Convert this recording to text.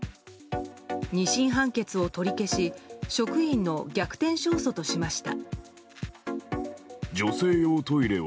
２審判決を取り消し職員の逆転勝訴としました。